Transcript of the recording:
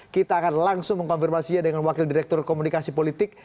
kita akan langsung mengkonfirmasinya dengan wakil direktur komunikasi politik